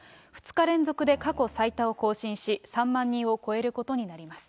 ２日連続で過去最多を更新し、３万人を超えることになります。